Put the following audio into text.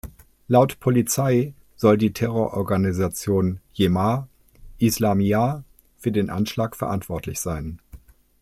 Laut Polizei soll die Terrororganisation Jemaah Islamiyah für den Anschlag verantwortlich sein.